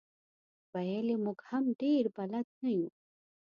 ویل یې موږ هم ډېر بلد نه یو.